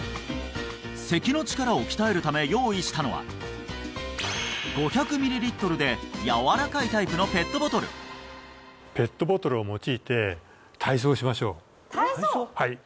咳の力を鍛えるため用意したのは５００ミリリットルでやわらかいタイプのペットボトル体操？